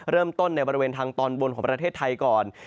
เริ่มต้นในบริเวณทางตอนบนของประเทศไทยก่อน